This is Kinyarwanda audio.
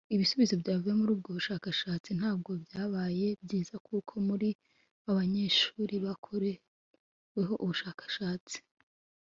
Ibisubizo byavuye muri ubwo bushakashatsi ntabwo byabaye byiza kuko muri ba banyeshuri bakoreweho ubushakashatsi